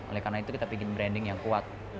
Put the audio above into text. oleh karena itu kita bikin branding yang kuat